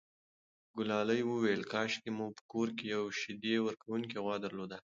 ګلالۍ وویل کاشکې مو په کور کې یوه شیدې ورکوونکې غوا درلودای.